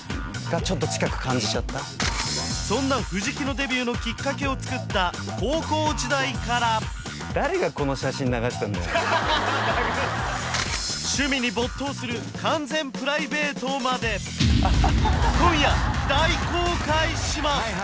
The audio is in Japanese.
そんな藤木のデビューのきっかけをつくった高校時代から趣味に没頭する完全プライベートまで今夜大公開します！